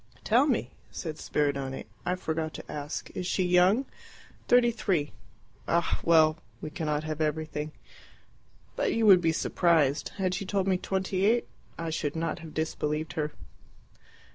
"Tell me," said Spiridione "I forgot to ask is she young?" "Thirty three." "Ah, well, we cannot have everything." "But you would be surprised. Had she told me twenty eight, I should not have disbelieved her."